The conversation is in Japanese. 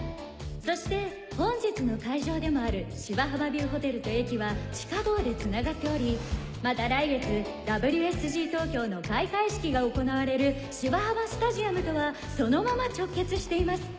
そして本日の会場でもある芝浜ビューホテルと駅は地下道でつながっておりまた来月ＷＳＧ東京の開会式が行われる芝浜スタジアムとはそのまま直結しています。